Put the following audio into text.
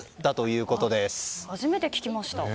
初めて聞きました。